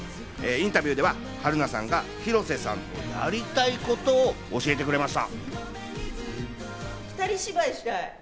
インタビューでは春菜さんが広瀬さんとやりたいことを教えてくれました。